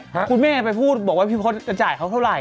คุณแม่ไปพูดบอกว่าพี่พศจะจ่ายเขาเท่าไหร